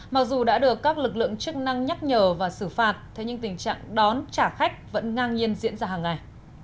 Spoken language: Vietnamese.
mặc dù đã được các lực lượng chức năng nhắc nhở và xử phạt thế nhưng tình trạng đón trả khách vẫn ngang nhiên diễn ra hàng ngày